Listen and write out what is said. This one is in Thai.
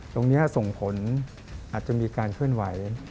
ตรงนี้ส่งผลอาจจะมีการเคลื่อนไหว